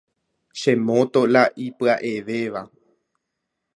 Che moto la ipya’evéva.